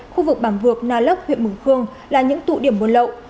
khu vực bảng vược na lốc huyện bửng khương là những tụ điểm buôn lậu